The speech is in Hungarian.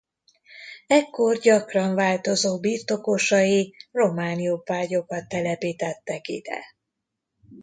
Ekkor gyakran változó birtokosai román jobbágyokat telepítettek ide.